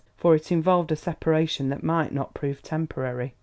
For it involved a separation that might not prove temporary.